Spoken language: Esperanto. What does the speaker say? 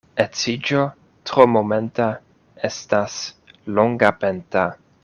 Edziĝo tro momenta estas longapenta.